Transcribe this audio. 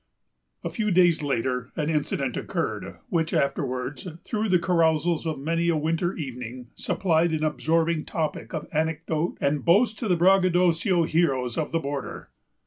A few days later, an incident occurred, which afterwards, through the carousals of many a winter evening, supplied an absorbing topic of anecdote and boast to the braggadocio heroes of the border.